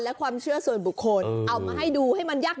แล้วจิ้งจกครึ่งจุก